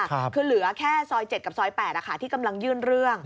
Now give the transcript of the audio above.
คือเหลือแค่ซอย๗กับซอย๘ที่กำลังยื่นเรื่อง